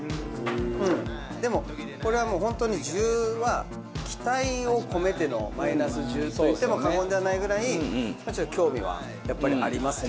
でもこれはもう本当に１０は期待を込めてのマイナス１０と言っても過言ではないぐらい興味はやっぱりあります